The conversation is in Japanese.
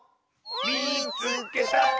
「みいつけた！」。